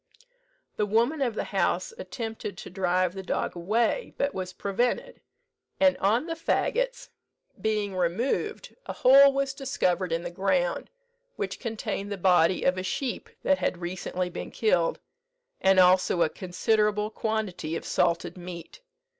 The woman of the house attempted to drive the dog away, but was prevented; and on the fagots being removed a hole was discovered in the ground, which contained the body of a sheep that had recently been killed, and also a considerable quantity of salted meat.